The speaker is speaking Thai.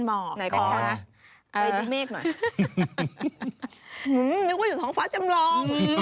นึกว่าอยู่ของฟ้าจำลอง